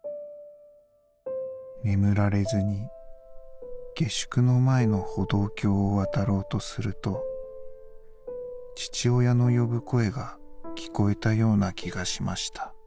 眠られずに下宿の前の歩道橋を渡ろうとすると父親の呼ぶ声が聞こえた様な気がしました。